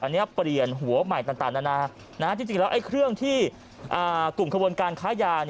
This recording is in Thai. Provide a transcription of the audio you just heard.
อันนี้เปลี่ยนหัวใหม่ต่างนานาจริงแล้วไอ้เครื่องที่กลุ่มขบวนการค้ายา